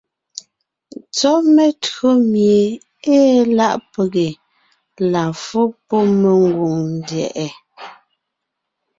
Tsɔ́ metÿǒ mie ée láʼ pege la fó pɔ́ mengwòŋ ndyɛ̀ʼɛ.